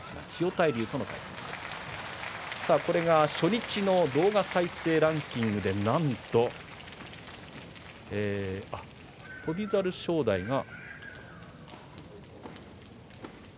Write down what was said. これが初日の動画再生ランキングでなんと翔猿、正代が。